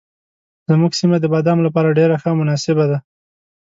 زموږ سیمه د بادامو لپاره ډېره ښه او مناسبه ده.